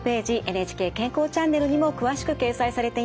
「ＮＨＫ健康チャンネル」にも詳しく掲載されています。